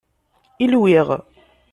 Ilwiɣ.